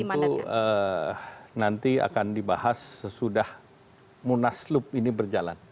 ya tentu nanti akan dibahas sesudah munas lup ini berjalan